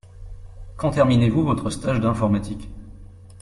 Quand terminez-vous votre stage d’informatique ?